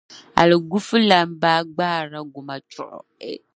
Aliguufulana baa gbaarila gumachuɣu.